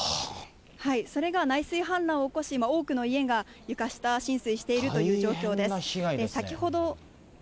それが内水氾濫を起こし、多くの家が床下浸水しているという状況大変な被害ですね。